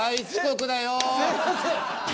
すいません。